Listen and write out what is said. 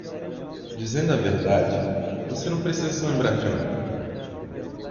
Dizendo a verdade, você não precisa se lembrar de nada.